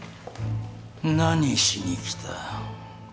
何しに来た？